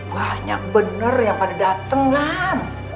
banyak bener yang pada dateng kan